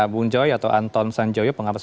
buncoy atau anton sanjoyo pengabas